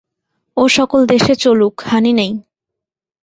ও-সকল দেশে চলুক, হানি নাই।